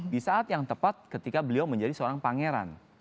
di saat yang tepat ketika beliau menjadi seorang pangeran